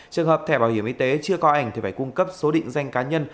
trường hợp thẻ bảo hiểm y tế chưa có ảnh thì phải cung cấp số định danh cá nhân